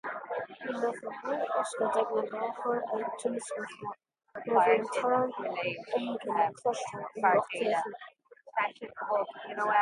Ní raibh a bhéal ach oscailte ag an láithreoir ag tús an chláir nuair a bhí torann éigin le cloisteáil ón lucht féachana.